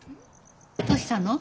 どうしたの？